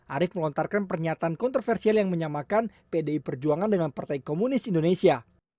arief melontarkan pernyataan kontroversial yang menyamakan pdi perjuangan dengan partai komunis indonesia